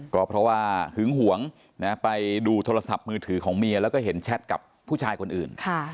ก็เพราะว่าหึงหวงไปดูโทรศัพท์มือถือของเมียแล้วก็เห็นแชทกับผู้ชายคนอื่น